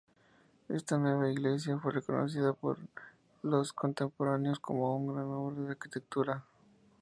Esta nueva iglesia fue reconocida por los contemporáneos como una gran obra de arquitectura.